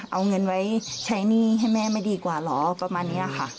เอาเงินไว้ใช้หนี้ให้แม่ไม่ดีกว่าเหรอประมาณนี้ค่ะ